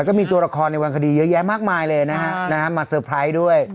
ก็มีตัวละครในวันคดีเยอะแยะมากมายเลยนะฮะมาเซอร์ไพรส์ด้วย